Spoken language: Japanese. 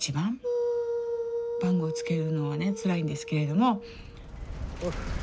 番号つけるのはねつらいんですけれども。